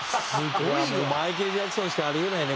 「マイケル・ジャクソンしかあり得ないね